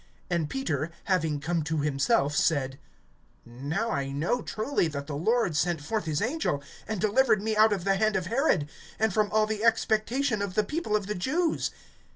(11)And Peter, having come to himself, said: Now I know truly, that the Lord sent forth his angel, and delivered me out of the hand of Herod, and from all the expectation of the people of the Jews.